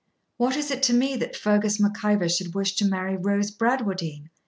'What is it to me that Fergus Mac Ivor should wish to marry Rose Bradwardine?